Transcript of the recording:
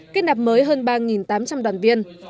kết nạp mới hơn ba tám trăm linh đoàn viên